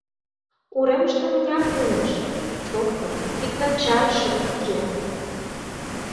Уремыште мыняр кӱлеш — шокто, иктат чарыше уке.